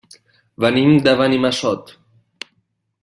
Venim de Benimassot.